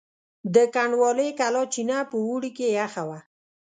د کنډوالې کلا چینه په اوړي کې یخه وه.